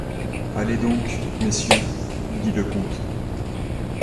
Allez donc, messieurs, dit le comte.